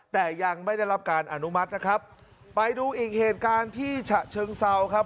แต่ยังไม่ได้รับการอนุมัตินะครับไปดูอีกเหตุการณ์ที่ฉะเชิงเซาครับ